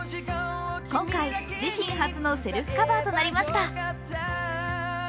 今回、自身初のセルフカバーとなりました。